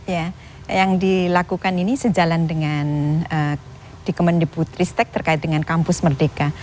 ya yang dilakukan ini sejalan dengan di kementerian putri stek terkait dengan kampus merdeka